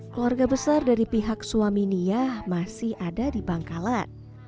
keluarga besar dari pihak suami nia masih ada di bangkalan